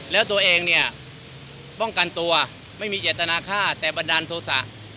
แล้วตัวเองเนี่ยป้องกันตัวไม่มีเจตนาฆ่าแต่บันดาลโทษะ